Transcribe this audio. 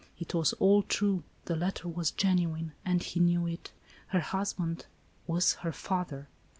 It was all true, the letter was genuine, — and he knew it. Her husband was her father